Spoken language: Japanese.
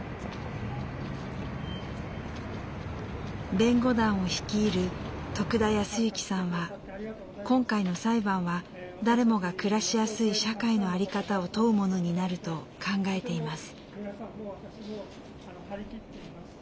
弁護団を率いる徳田靖之さんは今回の裁判は誰もが暮らしやすい社会の在り方を問うものになると考えています。